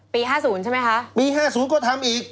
๕๐ใช่ไหมคะปี๕๐ก็ทำอีก